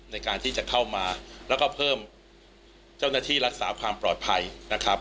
ในการที่จะเข้ามาแล้วก็เพิ่มเจ้าหน้าที่รักษาความปลอดภัยนะครับ